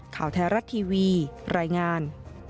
ข่าวไทยรัฐทีวีรายงาน